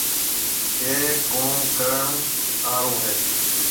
اَي ڪوم ڪرڻ آݪو هيَ۔